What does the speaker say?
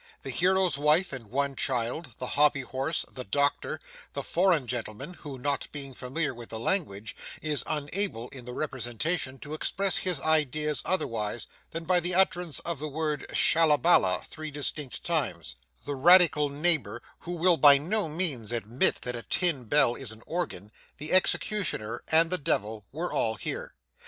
The hero's wife and one child, the hobby horse, the doctor, the foreign gentleman who not being familiar with the language is unable in the representation to express his ideas otherwise than by the utterance of the word 'Shallabalah' three distinct times, the radical neighbour who will by no means admit that a tin bell is an organ, the executioner, and the devil, were all here.